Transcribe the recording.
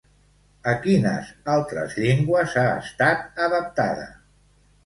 A quines altres llengües ha estat adaptada?